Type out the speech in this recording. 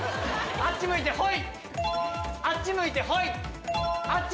あっち向いてホイ。